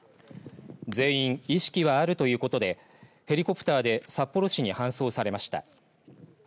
全員意識はあるということでヘリコプターで札幌市に搬送されました。